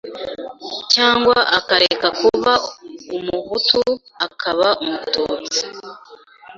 cyangwa akareka kuba Umuhutu akaba Umututsi